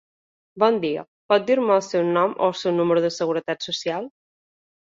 Bon dia, pot dir-me el seu nom o el seu número de seguretat social?